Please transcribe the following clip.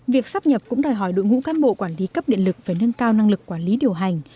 việc sắp nhập cũng đòi hỏi đội ngũ cán bộ quản lý cấp điện lực phải nâng cao năng lực quản lý điều hành